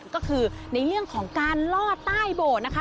ก็คือในเรื่องของการลอดใต้โบสถ์นะคะ